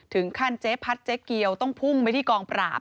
เจ๊พัดเจ๊เกียวต้องพุ่งไปที่กองปราบ